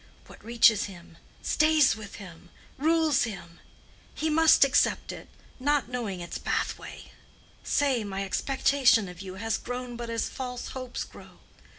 What reaches him, stays with him, rules him: he must accept it, not knowing its pathway. Say, my expectation of you has grown but as false hopes grow.